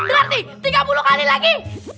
berarti tiga puluh kali lagi